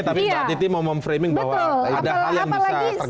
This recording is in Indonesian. tapi pak aditi mau memframing bahwa ada hal yang bisa peganggulan